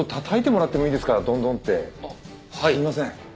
すいません。